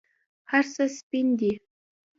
هرڅه سپین دي